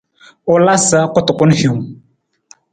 U la sa kutukun hiwung.